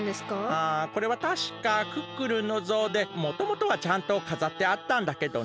ああこれはたしかクックルンのぞうでもともとはちゃんとかざってあったんだけどね。